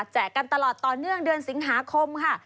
กันตลอดต่อเนื่องเดือนสิงหาคมค่ะ